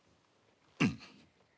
うん。